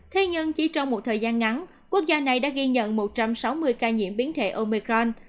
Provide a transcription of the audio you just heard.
thế nhưng chỉ trong một thời gian ngắn quốc gia này đã ghi nhận một trăm sáu mươi ca nhiễm biến thể omecron